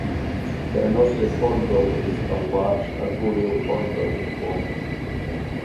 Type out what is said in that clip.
The rhinoceros hornbill is a large arboreal hornbill, long.